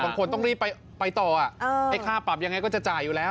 ต้องรีบไปต่อไอ้ค่าปรับยังไงก็จะจ่ายอยู่แล้ว